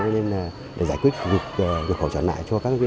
nên là để giải quyết việc hỗ trợ lại cho các cơ quan